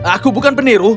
aku bukan peniru